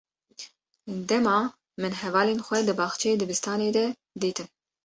Dema min hevalên xwe di baxçeyê dibistanê de dîtin.